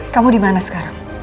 kamu dimana sekarang